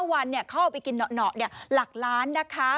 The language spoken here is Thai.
๕วันเขาออกไปกินหนอหลักล้านนะคะ